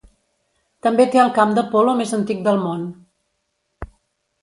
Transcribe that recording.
També té el camp de polo més antic del món.